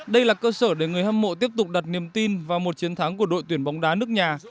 đây là cơ sở để người hâm mộ tiếp tục đặt niềm tin vào một chiến thắng của đội tuyển bóng đá nước nhà